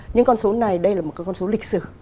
những con số này đây là một con số lịch sử